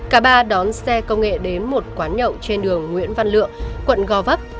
cả ba đón xe công nghệ đến một quán nhậu trên đường nguyễn văn lượng quận gò vấp